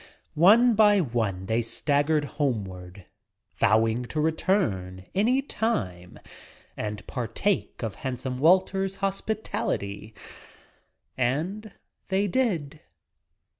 One by one they staggered homeward, vowing to return — any time — and partake of handsome Walter's hospitality. And they did.